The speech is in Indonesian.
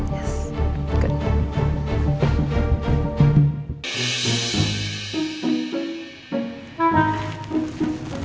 dan ajak dia bicara